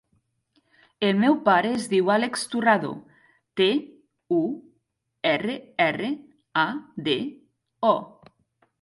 El meu pare es diu Àlex Turrado: te, u, erra, erra, a, de, o.